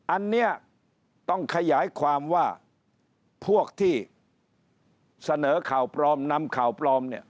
อันนี้ต้องขยายความว่าพวกที่เสนอข่าวปลอมนำข่าวปลอมเนี่ย